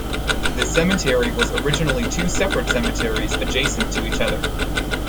The cemetery was originally two separate cemeteries, adjacent to each other.